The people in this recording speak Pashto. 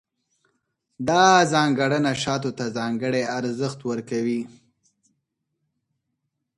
دا ځانګړنه شاتو ته ځانګړی ارزښت ورکوي.